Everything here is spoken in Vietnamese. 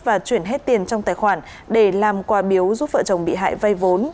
và chuyển hết tiền trong tài khoản để làm quà biếu giúp vợ chồng bị hại vay vốn